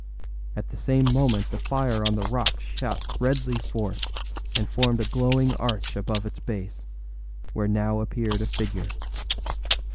At the same moment the fire on the rock shot redly forth and formed a glowing arch above its base, where now appeared a figure.